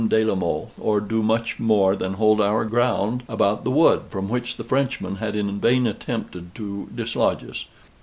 de la Mothe, or do much more than hold our ground about the wood, from which the Frenchman had in vain attempted to dislodge us.